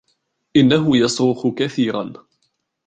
إنه يصرخ كثيراً.